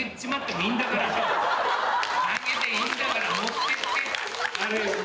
だけでいいんだから持ってってっつって。